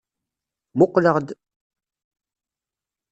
Muqleɣ-d!